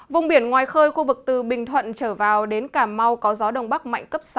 vùng biển ngoài khơi khu vực từ bình thuận trở vào đến cà mau có gió đông bắc mạnh cấp sáu